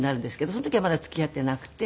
その時はまだ付き合っていなくて。